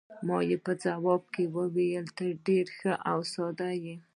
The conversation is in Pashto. ما یې په ځواب کې وویل: ته ډېره ښه او ساده یې.